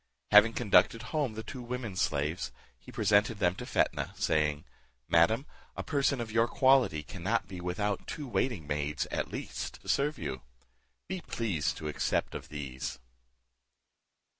Having conducted home the two women slaves, he presented them to Fetnah, saying, "Madam, a person of your quality cannot be without two waiting maids, at least, to serve you; be pleased to accept of these."